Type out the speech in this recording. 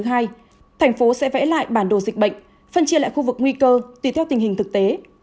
thành phố sẽ vẽ lại bản đồ dịch bệnh phân chia lại khu vực nguy cơ tùy theo tình hình thực tế